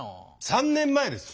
３年前ですよ。